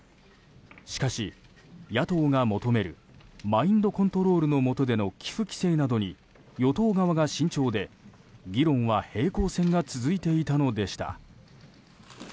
しかし野党が求めるマインドコントロールの下での寄付規制などに与党側が慎重で議論は平行線が続いていたのでした。